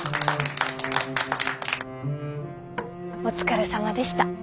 お疲れさまでした。